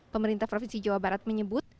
pemerintah provinsi jawa barat menyebut